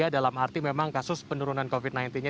dalam arti memang kasus penurunan covid sembilan belas nya